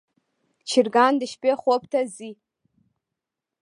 چرګان د شپې خوب ته ځي.